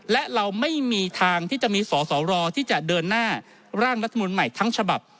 และเราไม่มีทางที่จะมีสอสอรอที่จะเดินหน้าร่างรัฐมนุนใหม่ทั้งฉบับ